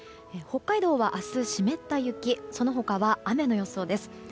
北海道は明日湿った雪その他は雨の予想です。